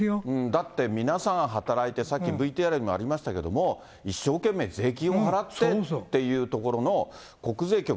だって皆さん働いて、さっきＶＴＲにもありましたけども、一生懸命税金を払ってというところの、国税局。